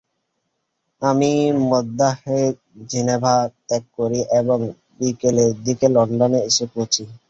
আমি মধ্যাহ্নে জেনেভা ত্যাগ করি এবং বিকেলের দিকে লন্ডন এসে পৌঁছি।